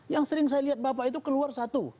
yang sering saya lihat bapak itu keluar satu